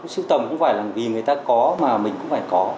siêu tầm không phải là vì người ta có mà mình cũng phải có